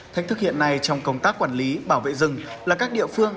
thách thức hiện nay trong công tác quản lý bảo vệ rừng là các địa phương